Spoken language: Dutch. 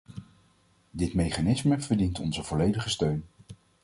Dit mechanisme verdient onze volledige steun.